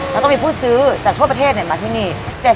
แล้วก็มีผู้ซื้อจากทั่วประเทศมาที่นี่